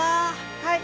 はい。